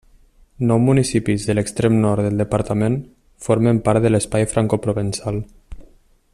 Nou municipis de l'extrem nord del departament formen part de l'espai francoprovençal.